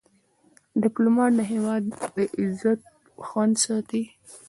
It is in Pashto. ډيپلومات د هیواد عزت خوندي ساتي.